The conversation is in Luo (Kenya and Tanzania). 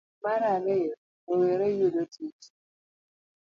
Mar ariyo, rowere yudo tich.